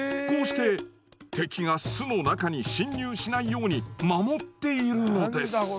こうして敵が巣の中に侵入しないように守っているのです。